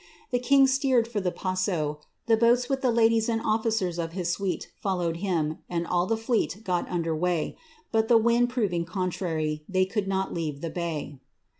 The red for the rafo ; the boats with the ladies and officers of his owed him, and all the fleet got under weigh, but the wind lontrary, they could not leave the bay.